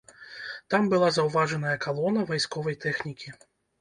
Там была заўважаная калона вайсковай тэхнікі.